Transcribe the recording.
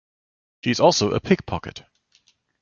She is also a pickpocket.